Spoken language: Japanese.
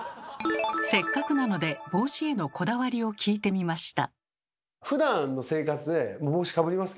せっかくなので帽子へのこだわりを聞いてみました。